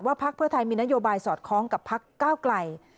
ว่าภักดิ์เพื่อไทยมีนโยบายสอดคล้องกับภักดิ์ก้าวไกล